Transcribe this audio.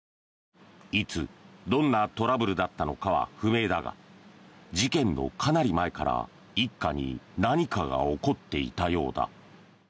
いつ、どんなトラブルだったのかは不明だが事件のかなり前から、一家に何かが起こっていたようだ。